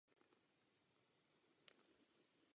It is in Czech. Také se zde nachází velmi málo vyššího porostu.